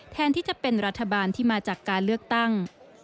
แทนที่จะเป็นรัฐบาลที่มาจากการเลือกตั้ง